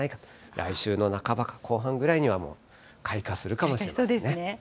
来週の半ばか、後半ぐらいにはもう開花するかもしれませんね。